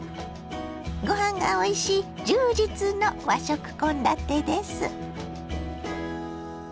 ごはんがおいしい充実の和食献立です。